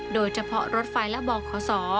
โดยเฉพาะรถไฟและบอกขอสอ